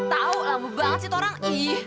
tau lama banget sih itu orang ih